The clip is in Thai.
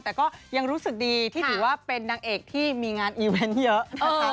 แต่ก็ยังรู้สึกดีที่ถือว่าเป็นนางเอกที่มีงานอีเวนต์เยอะนะคะ